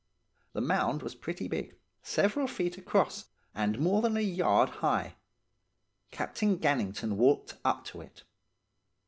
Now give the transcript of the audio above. The mound was pretty big, several feet across, and more than a yard high. Captain Gannington walked up to it.